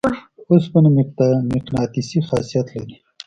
اوسپنه مقناطیسي خاصیت لري.